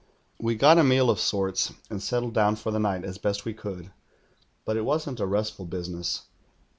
"We got a meal of sorts, and settled dowii for the night as best we could; but it wasn't a restful busi ness.